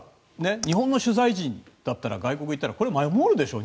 日本の取材陣だったら外国に行ったらこれは守るでしょう。